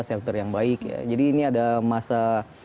shelter yang baik ya jadi ini ada masa